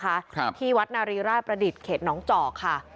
ครับที่วัดนารีราชประดิษฐ์เขตน้องจอกค่ะ